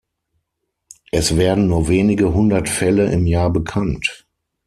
Es werden nur wenige hundert Fälle im Jahr bekannt.